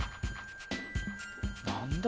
何だ？